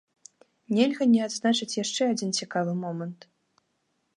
Нельга не адзначыць яшчэ адзін цікавы момант.